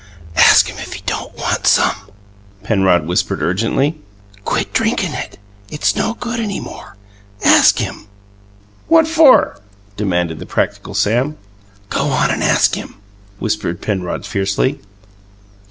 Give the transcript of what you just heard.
"Ask him if he don't want some," Penrod whispered urgently. "Quit drinkin' it! It's no good any more. Ask him!" "What for?" demanded the practical Sam. "Go on and ask him!" whispered Penrod fiercely.